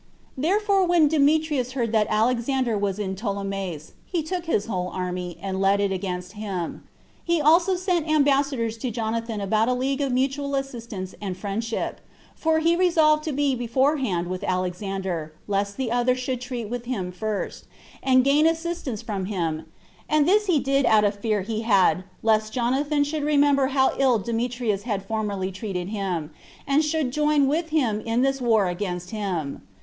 When therefore Demetrius heard that Alexander was in Ptolemais, he took his whole army, and led it against him; he also sent ambassadors to Jonathan about a league of mutual assistance and friendship, for he resolved to be beforehand with Alexander, lest the other should treat with him first, and gain assistance from him; and this he did out of the fear he had lest Jonathan should remember how ill Demetrius had formerly treated him, and should join with him in this war against him.